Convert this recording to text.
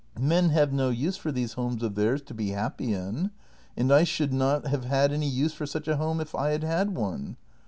Men have no use for these homes of theirs — to be happy in. And I should not have had any use for such a home, if I had had one.